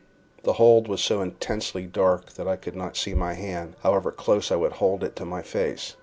The hold was so intensely dark that I could not see my hand, however close I would hold it to my face.